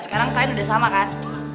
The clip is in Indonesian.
sekarang kain udah sama kan